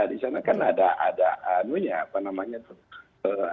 di sana kan ada anunya apa namanya tuh